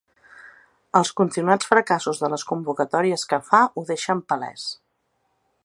Els continuats fracassos de les convocatòries que fa ho deixen palès.